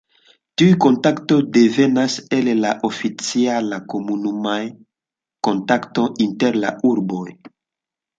Tiuj kontaktoj devenas el la oficialaj komunumaj kontaktoj inter la urboj.